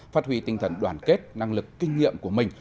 phát huy tinh thần đoàn kết năng lực kinh nghiệm của mình